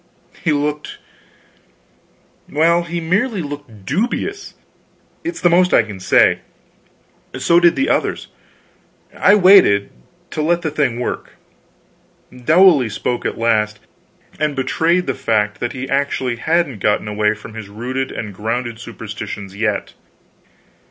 He looked well, he merely looked dubious, it's the most I can say; so did the others. I waited to let the thing work. Dowley spoke at last and betrayed the fact that he actually hadn't gotten away from his rooted and grounded superstitions yet.